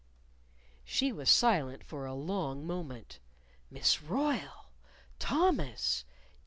She was silent for a long moment. Miss Royle! Thomas!